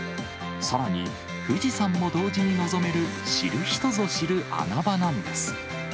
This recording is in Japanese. さらに、富士山も同時に望める、知る人ぞ知る穴場なんです。